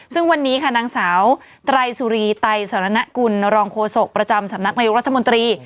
ซึ่งวันนี้ค่ะนางสาวไตรสุรีไตรสรณกุลรองโฆษกประจำสำนักนายกรัฐมนตรี